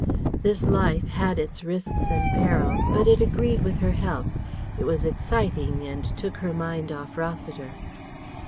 This life had its risks and perils, but it agreed with her health. It was exciting and took her mind off Rossiter.